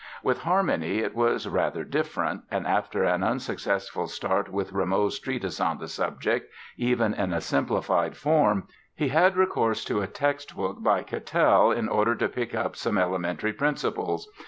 With harmony it was rather different and after an unsuccessful start with Rameau's treatise on the subject, even in a simplified form, he had recourse to a text book by Catel in order to pick up some elementary principles.